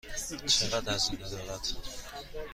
چقدر هزینه دارد؟